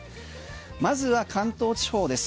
まずは関東地方です。